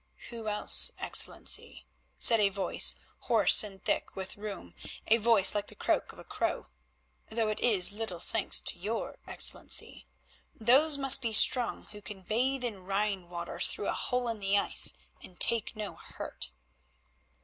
"Who else, Excellency," said a voice hoarse and thick with rheum, a voice like the croak of a crow, "though it is little thanks to your Excellency. Those must be strong who can bathe in Rhine water through a hole in the ice and take no hurt."